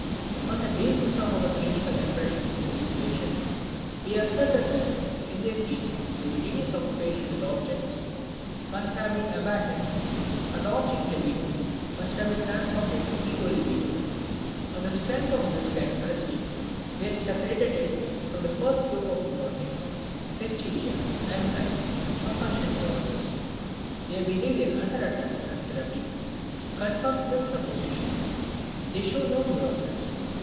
On the basis of our clinical impressions of these patients, we asserted that in their case libidinous occupation with objects must have been abandoned, and object libido must have been transformed into ego libido. On the strength of this characteristic we had separated it from the first group of neurotics (hysteria, anxiety and compulsion neuroses). Their behavior under attempts at therapy confirms this supposition. They show no neurosis.